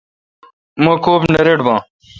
مہ کوب نہ رٹ باں۔